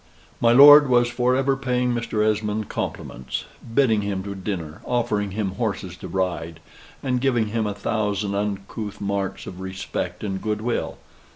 My lord was for ever paying Mr. Esmond compliments: bidding him to dinner, offering him horses to ride, and giving him a thousand uncouth marks of respect and good will.